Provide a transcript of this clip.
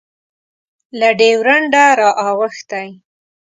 له ډیورنډه رااوښتی